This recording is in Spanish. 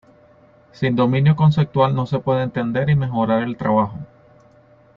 Sin dominio conceptual no se puede entender y mejorar el trabajo.